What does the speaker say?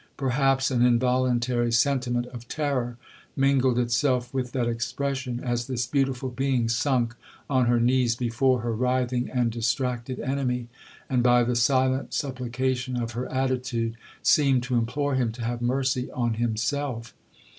Perhaps an involuntary sentiment of terror mingled itself with that expression, as this beautiful being sunk on her knees before her writhing and distracted enemy; and, by the silent supplication of her attitude, seemed to implore him to have mercy on himself.